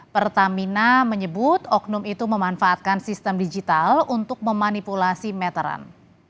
pertamina menyebut oknum itu memanfaatkan sistem digital untuk memanipulasi meteran